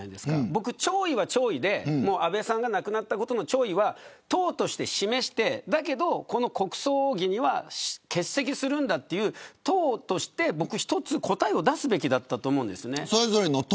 僕は弔意は弔意で、安倍さんが亡くなったことの弔意は党として示してだけど、この国葬儀には欠席するんだと党として、一つ答えを出すべきだったと思うんです。